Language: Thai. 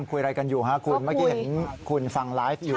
คุยอะไรกันอยู่ฮะคุณเมื่อกี้เห็นคุณฟังไลฟ์อยู่